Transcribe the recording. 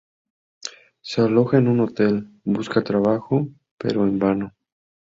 Se aloja en un hotel, busca trabajo, pero en vano.